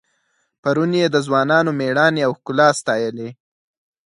پرون یې د ځوانانو میړانې او ښکلا ستایلې.